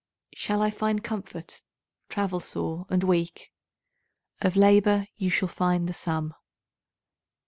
Shall I find comfort, travel sore and weak? Of labour you shall find the sum.